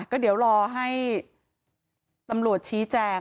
ก็เดี๋ยวรอให้ตำรวจชี้แจง